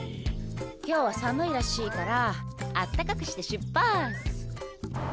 今日は寒いらしいからあったかくして出発。